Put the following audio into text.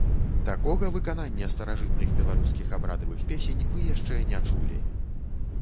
Такога выканання старажытных беларускіх абрадавых песень вы яшчэ не чулі!